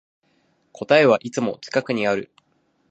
答えはいつも近くにある